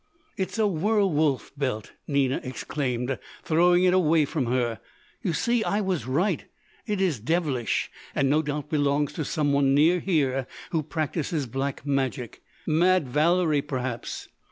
"It is a werwolf belt!" Nina exclaimed, throwing it away from her. "You see, I was right; it is devilish, and no doubt belongs to some one near here who practises Black Magic Mad Valerie, perhaps.